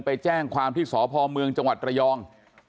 ไปแจ้งความที่สพเมืองจังหวัดระยอง